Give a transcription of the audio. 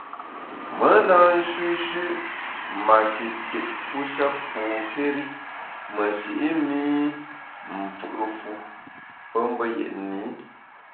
Me na nshüshü’ mashikitfu sha pokéri meshi’ mi mfù’ fu pe mbe yetni.